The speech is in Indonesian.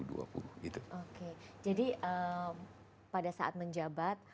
jadi pada saat menjabat